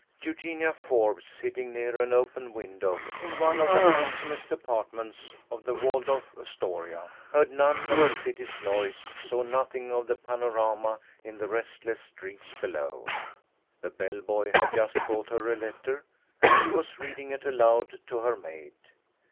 Eugenia Forbes, sitting near an open window in one of the handsomest apartments of the Waldorf Astoria, heard none of the city's noise, saw nothing of the panorama in the restless streets below. The bell boy had just brought her a letter, and she was reading it aloud to her maid.